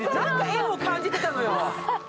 縁を感じてたのよ。